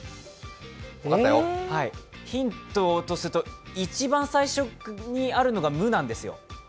ヒントとすると、一番最初にあるのが「む」なんですよ。